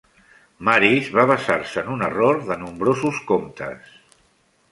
Maris va basar-se en un error de nombrosos comptes.